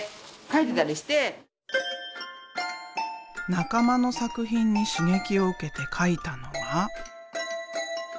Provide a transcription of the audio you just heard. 仲間の作品に刺激を受けて描いたのがこちら。